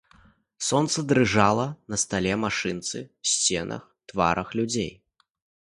Сонца дрыжала на стале, машынцы, сценах, тварах людзей.